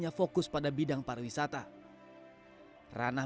terdapat miliar valentine dan empat ratus delapan puluh dua juta orang